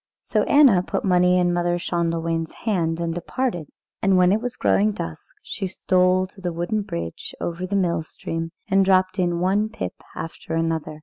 So Anna put money into Mother Schändelwein's hand and departed, and when it was growing dusk she stole to the wooden bridge over the mill stream, and dropped in one pip after another.